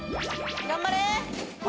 「頑張れ！」